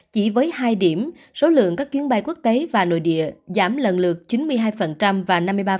chỉ với hai điểm số lượng các chuyến bay quốc tế và nội địa giảm lần lượt chín mươi hai và năm mươi ba